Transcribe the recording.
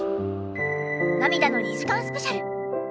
涙の２時間スペシャル。